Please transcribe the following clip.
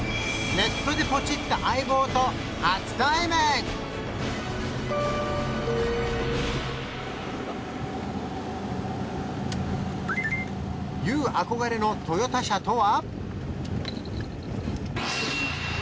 ネットでポチった相棒とＹＯＵ憧れのトヨタ車とは？